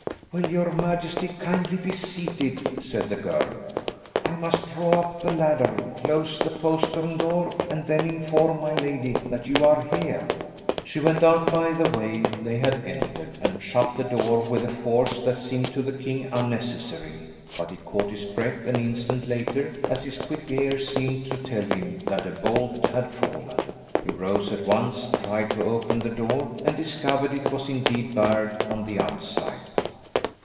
"Will your majesty kindly be seated," said the girl. "I must draw up the ladder, close the postern door, and then inform my lady that you are here." She went out by the way they had entered and shut the door with a force that seemed to the king unnecessary, but he caught his breath an instant later as his quick ear seemed to tell him that a bolt had fallen. He rose at once, tried to open the door, and discovered it was indeed barred on the outside.